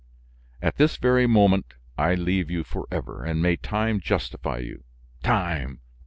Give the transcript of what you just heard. "At this very moment; I leave you forever, and may time justify you! Time!